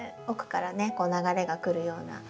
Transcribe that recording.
奥からねこう流れが来るような。